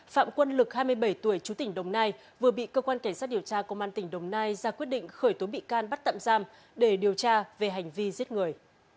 phạm quân lực hai mươi bảy tuổi chú tỉnh đồng nai vừa bị cơ quan cảnh sát điều tra công an tỉnh đồng nai ra quyết định khởi tố bị can bắt tạm giam để điều tra về hành vi giết người